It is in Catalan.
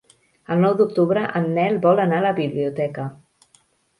El nou d'octubre en Nel vol anar a la biblioteca.